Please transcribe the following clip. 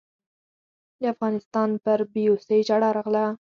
د افغانستان پر بېوسۍ ژړا راغله.